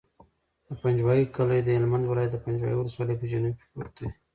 د پنجوایي کلی د هلمند ولایت، پنجوایي ولسوالي په جنوب کې پروت دی.